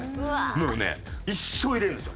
もうね一生いられるんですよ